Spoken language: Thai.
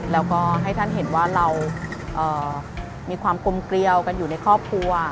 แล้วก็ให้ท่านเห็นว่าเรามีความกลมเกลียวกันอยู่ในครอบครัว